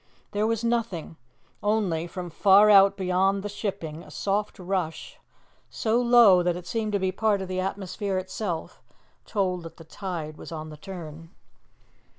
There was nothing: only, from far out beyond the shipping, a soft rush, so low that it seemed to be part of the atmosphere itself, told that the tide was on the turn.